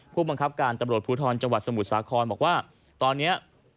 ผู้บังคับการตำรวจภูทรจังหวัดสมุทรสาครบอกว่าตอนนี้